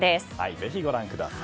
ぜひご覧ください。